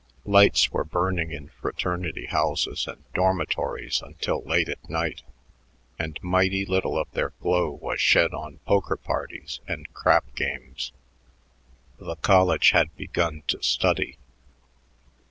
Lights were burning in fraternity houses and dormitories until late at night, and mighty little of their glow was shed on poker parties and crap games. The college had begun to study.